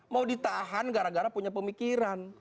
mau ditahan gara gara punya pemikiran